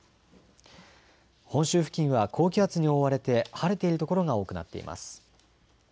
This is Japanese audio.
本州付近は高気圧に覆われて晴れている所が多くなっています。